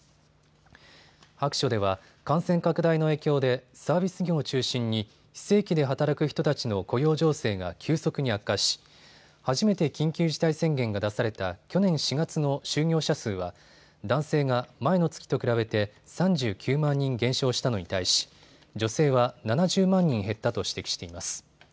白書では感染拡大の影響でサービス業を中心に非正規で働く人たちの雇用情勢が急速に悪化し初めて緊急事態宣言が出された去年４月の就業者数は男性が前の月と比べて３９万人減少したのに対し、女性は７０万人減ったと指摘しています。